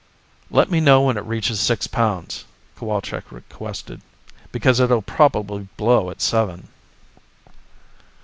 "Let me know when it reaches six pounds," Cowalczk requested. "Because it'll probably blow at seven."